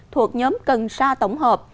thuộc nhóm cần sa tổng hợp